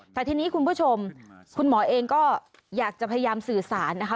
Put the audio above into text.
แต่ทีนี้คุณผู้ชมคุณหมอเองก็อยากจะพยายามสื่อสารนะคะ